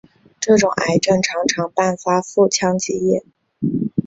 这种癌症常常伴发腹腔积液。